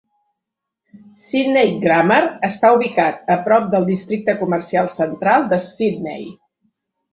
Sydney Grammar està ubicat a prop del districte comercial central de Sydney.